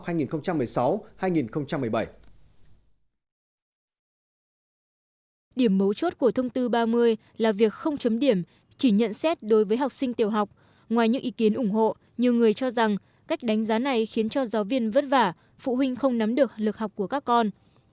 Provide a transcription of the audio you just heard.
điểm mấu chốt của thông tư ba mươi là việc không chấm điểm chỉ nhận xét đối với học sinh tiểu học ngoài những ý kiến ủng hộ nhiều người cho rằng cách đánh giá này khiến cho giáo viên vất vả phụ huynh không nắm được lực học của các con